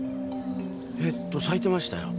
えっと咲いてましたよ。